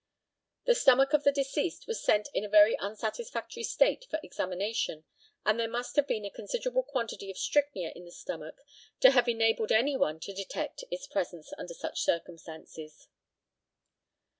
The stomach of the deceased was sent in a very unsatisfactory state for examination, and there must have been a considerable quantity of strychnia in the stomach to have enabled any one to detect its presence under such circumstances.